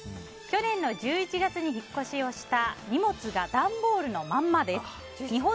去年の１１月に引っ越しをした荷物が段ボールのまんまです。